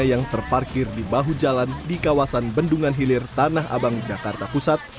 yang terparkir di bahu jalan di kawasan bendungan hilir tanah abang jakarta pusat